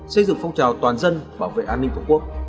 xây dựng phong trào toàn dân bảo vệ an ninh tổ quốc